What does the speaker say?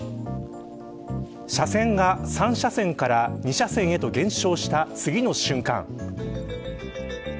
車線が３車線から２車線へと減少した次の瞬間。